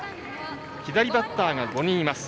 左バッターが５人います。